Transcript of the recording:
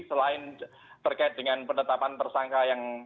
selain terkait dengan penetapan tersangka yang